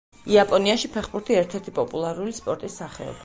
იაპონიაში ფეხბურთი ერთ-ერთი პოპულარული სპორტის სახეობაა.